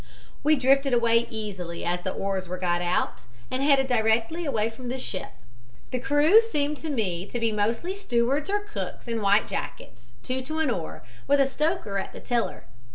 "We drifted away easily, as the oars were got out, and headed directly away from the ship. The crew seemed to me to be mostly stewards or cooks in white jackets, two to an oar, with a stoker at the tiller.